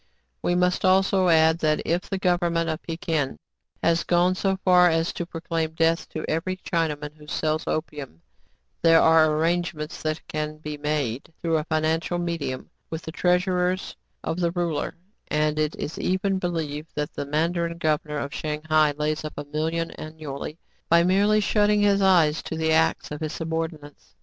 We must also add, that, if the government of Pekin has gone so far as to proclaim death to every Chinaman who sells opium, there are arrangements that can be made, through a financial medium, with the treasurers of the ruler ; and it is even believed that the manda rin governor of Shang hai lays up a million annu ally by merely shutting his eyes to the acts of his subordinates.